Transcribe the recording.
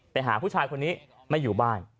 ไปหาสินคือบ้า